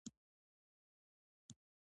پالیسي باید روښانه او عملي وي.